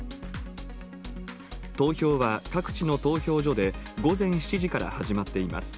投票は各地の投票所で、午前７時から始まっています。